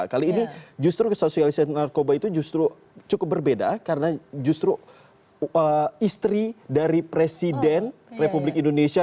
kali ini justru kesosialisasi narkoba itu justru cukup berbeda karena justru istri dari presiden republik indonesia